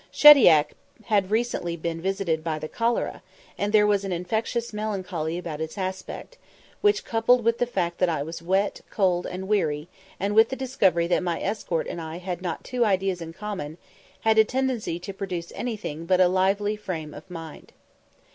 Shediac bad recently been visited by the cholera, and there was an infectious melancholy about its aspect, which, coupled with the fact that I was wet, cold, and weary, and with the discovery that my escort and I had not two ideas in common, had a tendency to produce anything but a lively frame of mind.